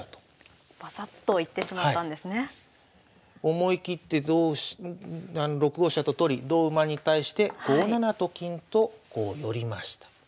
思い切って６五飛車と取り同馬に対して５七と金と寄りました。